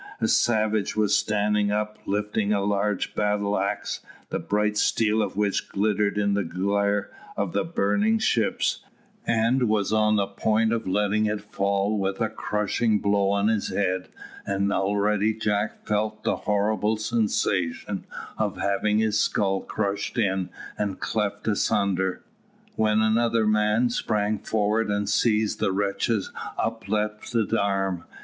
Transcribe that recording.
A savage was standing up, lifting a large battle axe, the bright steel of which glittered in the glare of the burning ships, and was on the point of letting it fall with a crushing blow on his head, and already Jack felt the horrible sensation of having his skull crushed in and cleft asunder, when another man sprang forward and seized the wretch's uplifted arm.